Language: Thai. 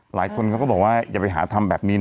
หลายคนเขาก็บอกว่าอย่าไปหาทำแบบนี้นะ